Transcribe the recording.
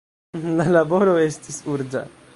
La laboro estis urĝa.